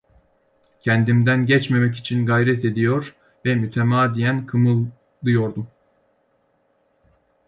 Kendimden geçmemek için gayret ediyor ve mütemadiyen kımıldıyordum.